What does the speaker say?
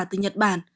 từ nhật bản